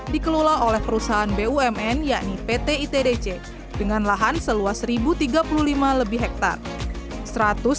dikelola oleh perusahaan bumn yakni pt itdc dengan lahan seluas satu tiga puluh lima lebih hektare